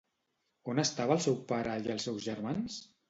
On estava el seu pare i els seus germans?